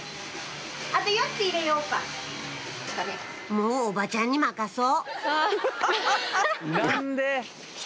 「もうおばちゃんに任そう」